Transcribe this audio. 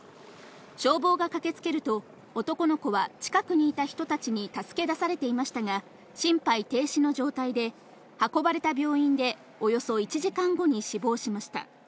消防が駆けつけると、男の子は近くにいた人たちに助け出されていましたが、心肺停止の状態で、運ばれた病院で、およそ１時間後に死亡しました。